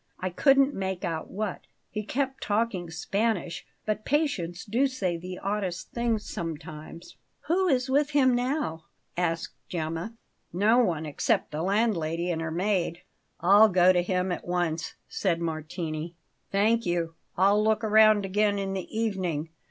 I couldn't make out what; he kept talking Spanish; but patients do say the oddest things sometimes." "Who is with him now?" asked Gemma. "No one except the landlady and her maid." "I'll go to him at once," said Martini. "Thank you. I'll look round again in the evening.